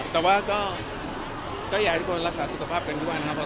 แต่ว่ายากทุกคนรักษาสุขภาพไว้ด้วยแน่ครับ